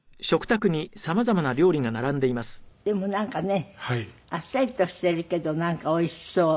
でもなんかねあっさりとしてるけどなんかおいしそう。